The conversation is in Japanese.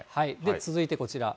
続いてこちら。